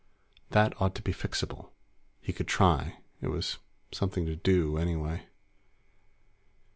That ought to be fixable. He could try; it was something to do, anyway.